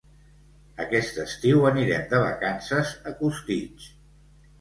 Aquest estiu anirem de vacances a Costitx.